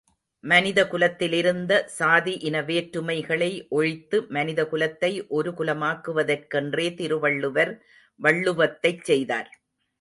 மனித குலத்திலிருந்த சாதி இனவேற்றுமைகளை ஒழித்து மனிதகுலத்தை ஒருகுலமாக்குவதற்கென்றே திருவள்ளுவர் வள்ளுவத்தைச் செய்தார்.